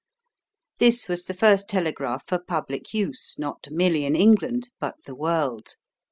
This was the first telegraph for public use, not merely in England, but the world.